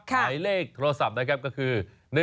ไหล่เลขโทรศัพท์ก็คือ